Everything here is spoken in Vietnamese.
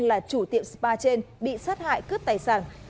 là chủ tiệm spa trên bị sát hại cướp tài sản